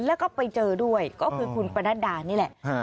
แล้วก็ไปเจอด้วยก็คือคุณปนัดดานี่แหละ